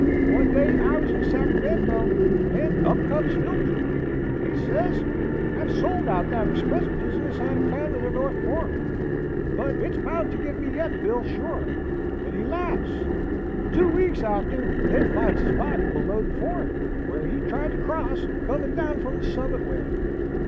One day I was in Sacramento, and up comes Filltree. He sez, 'I've sold out the express business on account of the North Fork, but it's bound to get me yet, Bill, sure'; and he laughs. Two weeks after they finds his body below the ford, whar he tried to cross, comin' down from the Summit way.